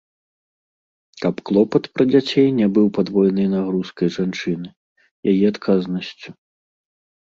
Каб клопат пра дзяцей не быў падвойнай нагрузкай жанчыны, яе адказнасцю.